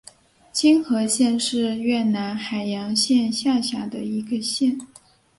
青河县是越南海阳省下辖的一个县。